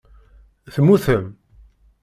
Temmutem.